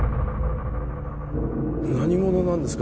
何者なんですか？